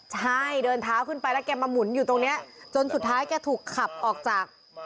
ใช่เดินเท้าขึ้นไปแล้วแกมาหมุนอยู่ตรงนี้จนสุดท้ายแกถูกขับออกจาก